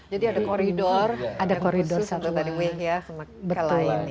jadi ada koridor yang khusus untuk dari wehia ke kelai ini